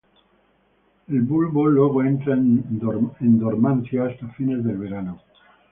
El bulbo luego entra en dormancia hasta fines del verano.